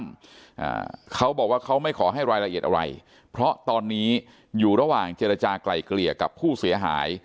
อ่าเขาบอกว่าเขาไม่ขอให้รายละเอียดอะไรเพราะตอนนี้อยู่ระหว่างเจรจากลายเกลี่ยกับผู้เสียหาย